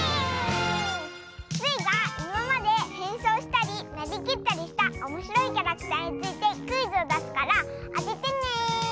スイがいままでへんそうしたりなりきったりしたおもしろいキャラクターについてクイズをだすからあててね！